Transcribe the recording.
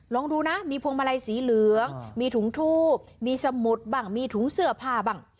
ลองดูนะมีพวงมาลัยสีเหลืองมีถุงทูบมีสมุดบ้างมีถุงเสื้อผ้าบ้าง